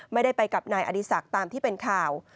ไม่ได้ไปกับนายอดีศักดิ์ตามที่เป็นข่าว